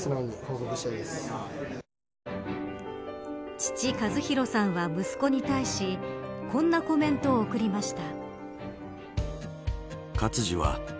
父、和博さんは息子に対しこんなコメントを送りました。